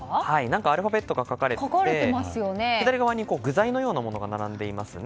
アルファベットが書かれていて左側に具材のようなものが並んでいますね。